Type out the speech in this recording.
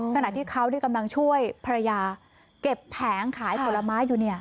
ขณะที่เขาที่กำลังช่วยภรรยาเก็บแผงขายผลไม้อยู่เนี่ย